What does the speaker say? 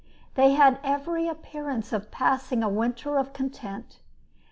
They had every appearance of passing a winter of content.